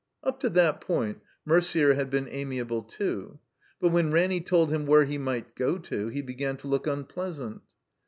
Up to that point Merder had been amiable too. But when Ranny told him where he might go to he began to look unpleasant.